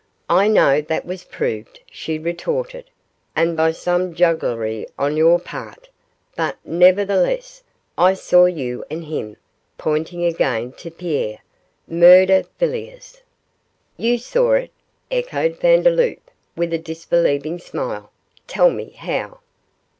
'I know that was proved,' she retorted, 'and by some jugglery on your part; but, nevertheless, I saw you and him,' pointing again to Pierre, 'murder Villiers.' 'You saw it,' echoed Vandeloup, with a disbelieving smile; 'tell me how?